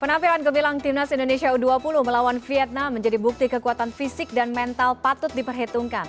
penampilan gemilang timnas indonesia u dua puluh melawan vietnam menjadi bukti kekuatan fisik dan mental patut diperhitungkan